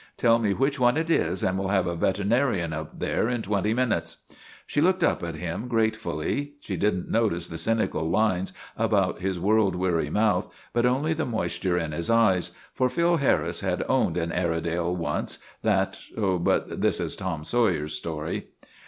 Tell me which one it is and we '11 have a veterinarian up there in twenty minutes." She looked up at him gratefully. She did n't no tice the cynical lines about his world weary mouth, but only the moisture in his eyes, for Phil Harris had owned an Airedale once that but this is Tom Sawyer's story.